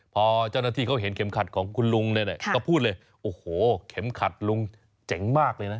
พอเจ้าหน้าที่เขาเห็นเข็มขัดของคุณลุงเนี่ยก็พูดเลยโอ้โหเข็มขัดลุงเจ๋งมากเลยนะ